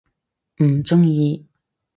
嗯，中意！